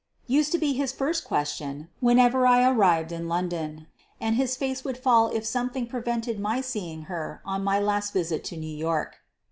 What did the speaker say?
used to be his first question whenever I arrived in London, and his face would fall if some thing prevented my seeing her on my last visit to New York.